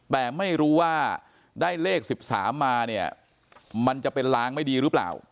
แต่ไม่รู้ว่าได้เลข๑๓มาเนี่ยมันจะเป็นล้างไม่ดีหรือเปล่า